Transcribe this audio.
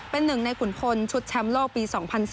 เป็นหนึ่งในขุนพลชุดแชมป์โลกปี๒๐๐๒